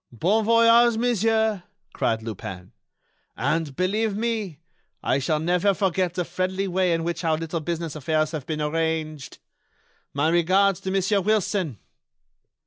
"Bon voyage, monsieur," cried Lupin, "and, believe me, I shall never forget the friendly way in which our little business affairs have been arranged. My regards to Monsieur Wilson."